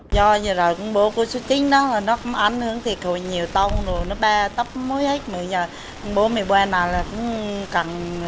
do vậy bộ số chín nó cũng ảnh hưởng thiệt hồi nhiều tàu nó ba tóc mối hết bộ một mươi ba nào cũng cần